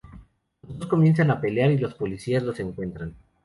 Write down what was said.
Los dos comienzan a pelear y los policías los encuentran.